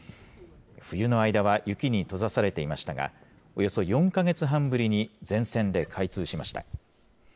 冬の間は雪に閉ざされていましたが、およそ４か月半ぶりに全線で開通しました。